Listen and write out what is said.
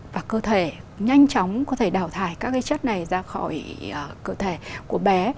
và cơ thể nhanh chóng có thể đào thải các cái chất này ra khỏi cơ thể của bé